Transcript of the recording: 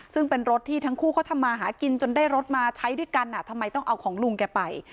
ซึ่งเป็นรถที่ทั้งคู่เขาทำมาหากินจนได้รถมาใช้ด้วยกันทำไมต้องเอาของลุงแกไป